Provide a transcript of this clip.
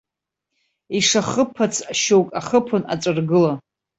Ишахыԥац шьоук ахыԥон аҵәыргыла.